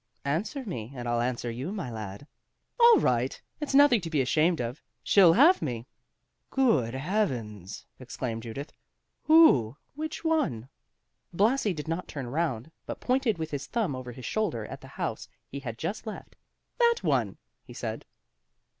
"Answer me, and I'll answer you, my lad." "All right; it's nothing to be ashamed of. She'll have me." "Good heavens!" exclaimed Judith "Who? Which one?" Blasi did not turn round, but pointed with his thumb over his shoulder at the house he had just left. "That one," he said.